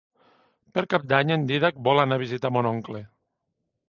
Per Cap d'Any en Dídac vol anar a visitar mon oncle.